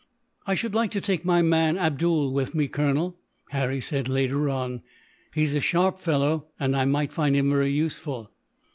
"I should like to take my man, Abdool, with me, Colonel," Harry said, later on. "He is a sharp fellow, and I might find him very useful."